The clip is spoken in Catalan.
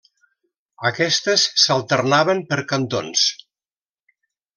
Aquestes s'alternaven per cantons.